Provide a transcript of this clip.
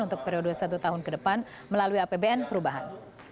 untuk periode satu tahun ke depan melalui apbn perubahan